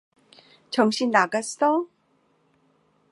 정신 나갔어?